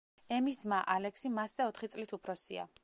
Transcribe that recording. ემის ძმა, ალექსი, მასზე ოთხი წლით უფროსია.